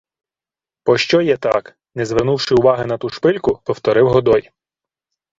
— Пощо є так? — не звернувши уваги на ту шпильку, повторив Годой.